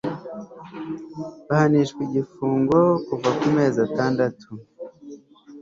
bahanishwa igifungo kuva ku mezi atandatu